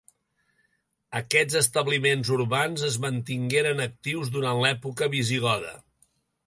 Aquests establiments urbans es mantingueren actius durant l'època Visigoda.